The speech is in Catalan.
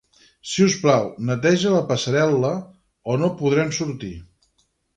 Si us plau, neteja la passarel·la o no podrem sortir